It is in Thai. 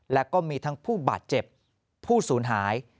และก็มีทั้งผู้บาดเจ็บผู้สูญหาย